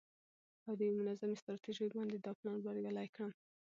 او د یوې منظمې ستراتیژۍ باندې دا پلان بریالی کړم.